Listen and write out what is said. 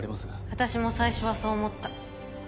私も最初はそう思った。